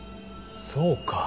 そうか。